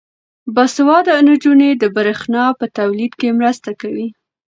باسواده نجونې د برښنا په تولید کې مرسته کوي.